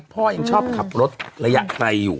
พ่อยังชอบขับรถระยะไกลอยู่